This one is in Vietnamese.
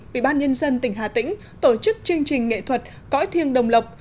bị ban nhân dân tỉnh hà tĩnh tổ chức chương trình nghệ thuật cõi thiêng đồng lộc